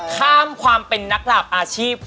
ข้ามความเป็นนักหลาบอาชีพ